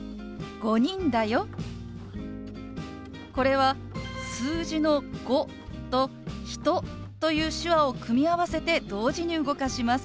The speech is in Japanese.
これは数字の「５」と「人」という手話を組み合わせて同時に動かします。